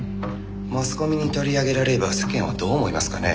マスコミに取り上げられれば世間はどう思いますかね？